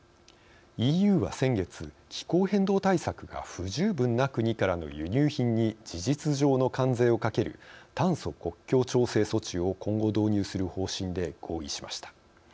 ＥＵは先月、気候変動対策が不十分な国からの輸入品に事実上の関税をかける炭素国境調整措置を今後導入する方針で合意しました。